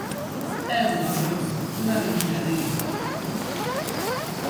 É unha broma, unha brincadeira.